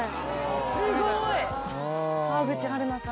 すごい川口春奈さんの。